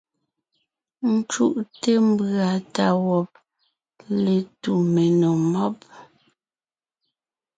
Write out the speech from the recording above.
Ńcúʼte mbʉ̀a tá wɔb létu menò mɔ́b.